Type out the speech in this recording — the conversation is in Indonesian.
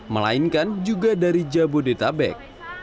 melainkan juga dari jabodetabek